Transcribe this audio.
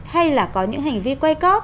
hay là có những hành vi quay cóp